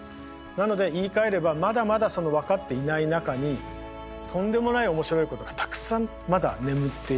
なので言いかえればまだまだ分かっていない中にとんでもない面白いことがたくさんまだ眠っているということなんですよね。